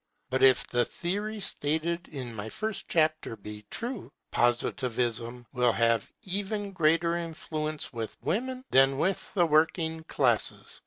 But if the theory stated in my first chapter be true, Positivism will have even greater influence with women than with the working classes.